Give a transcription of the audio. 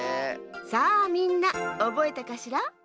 さあみんなおぼえたかしら？